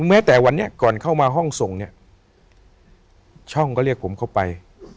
แม้แต่วันนี้ก่อนเข้ามาห้องส่งเนี่ยช่องก็เรียกผมเข้าไป